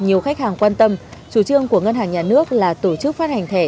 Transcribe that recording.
nhiều khách hàng quan tâm chủ trương của ngân hàng nhà nước là tổ chức phát hành thẻ